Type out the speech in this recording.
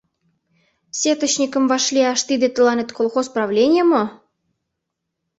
Сетычникым вашлияш тиде тыланет колхоз правленье мо?